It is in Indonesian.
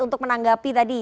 untuk menanggapi tadi